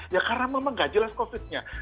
ya karena memang nggak jelas covid nya